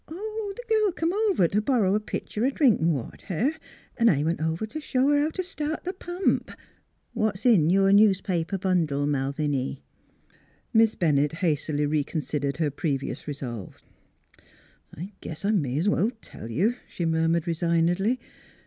"" Oh, the girl come over t' borry a pitcher o' drinkin' water, 'n' I went over t' show her how t' start the pump. ... What's in your newspaper bundle, Malviny?" Miss Bennett hastily reconsidered her previous resolve. " I guess I may 's well tell you," she murmured resignedly.